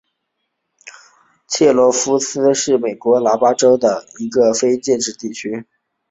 切罗基布鲁夫斯是位于美国阿拉巴马州塔拉普萨县的一个非建制地区。